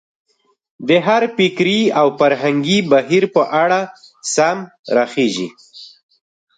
د هر فکري او فرهنګي بهیر په اړه سم راخېژي.